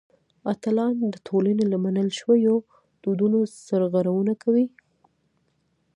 اتلان د ټولنې له منل شویو دودونو سرغړونه کوي.